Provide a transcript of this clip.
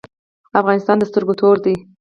افغانستان د سترګو تور دی؟